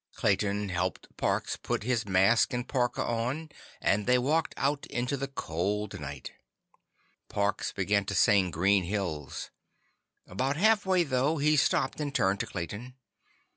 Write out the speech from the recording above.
Clayton helped Parks put his mask and parka on and they walked out into the cold night. Parks began to sing Green Hills. About halfway through, he stopped and turned to Clayton.